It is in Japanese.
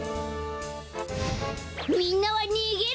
みんなはにげろ！